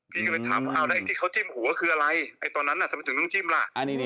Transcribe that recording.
พี่ก็เลยถามที่เขาจิ้มหัวคืออะไรตอนนั้นน่ะทำไมถึงต้องจิ้มล่ะ